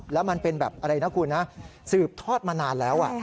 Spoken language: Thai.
แล้วมันเป็นแบบอะไรนะคุณนะสืบทอดมานานแล้ว